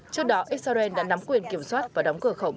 trước đó israel đã nắm quyền kiểm soát và đóng cửa khẩu